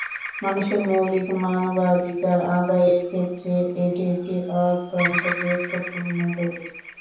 মানুষের মৌলিক মানবাধিকার আদায়ের ক্ষেত্রে এটি একটি অত্যন্ত গুরুত্বপূর্ণ দলিল।